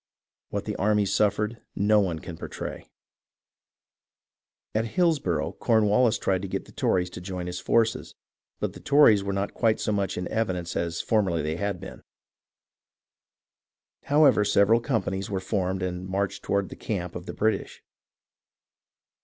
What the armies suffered no one can portray. At Hillsborough, Cornwallis tried to get the Tories to join his forces, but the Tories were not quite so much in evidence as formerly they had been. However, several companies were formed and marched toward the camp of the British.